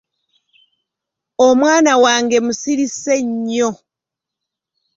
Omwana wange musirise nnyo.